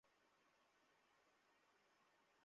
তাড়াতাড়ি, লেবেলগুলি স্যুইচ করো নমিত, তাদের সাহায্য করো।